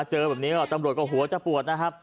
เจอแบบนี้ก็ตำรวจก็หัวจะปวดนะครับ